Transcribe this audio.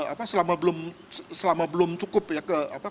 apa selama belum cukup ya